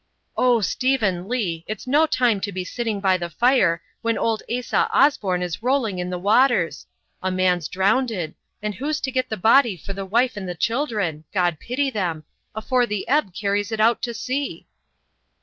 "O Stephen Lee, it's no time to be sitting by the fire, when old Asa Osborn is rolling in the waters. A man's drownded; and who's to get the body for the wife and the children God pity them! afore the ebb carries it out to sea?"